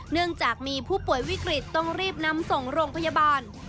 เนื่องจากมีผู้ป่วยวิกฤตต้องรีบนำส่งโรงพยาบาล